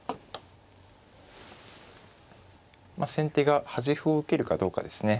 先手が端歩を受けるかどうかですね。